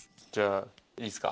いいですか？